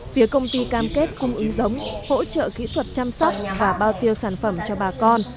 phía công ty cam kết cung ứng giống hỗ trợ kỹ thuật chăm sóc và bao tiêu sản phẩm cho bà con